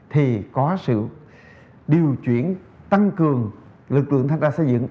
thì có sự điều chuyển tăng cường lực lượng thanh tra xây dựng